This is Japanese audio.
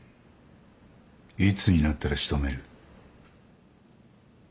いつになったら仕留める？